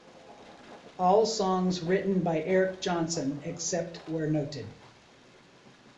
All songs written by Eric Johnson, except where noted.